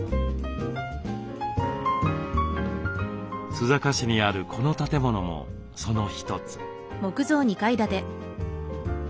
須坂市にあるこの建物もその一つ。